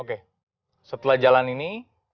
oke setelah jalan ini